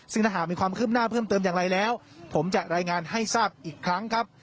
ซึ่งถ้าหากมีความคืบหน้าเพิ่มเติมอย่างไรแล้วผมจะรายงานให้ทราบอีกครั้งครับ